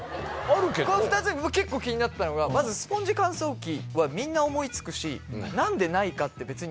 この２つで僕結構気になってたのがまずスポンジ乾燥機はみんな思い付くし何でないかって。